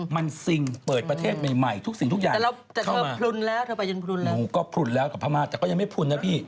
มันซิงเปิดประเทศใหม่ทุกสิ่งทุกอย่าง